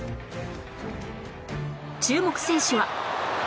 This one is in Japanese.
注目選手は